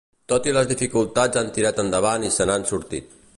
Tot i les dificultats han tirat endavant i se n'han sortit.